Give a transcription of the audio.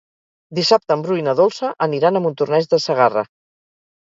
Dissabte en Bru i na Dolça aniran a Montornès de Segarra.